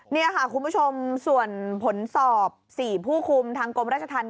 นี่ค่ะคุณผู้ชมส่วนผลสอบ๔ผู้คุมทางกรมราชธรรม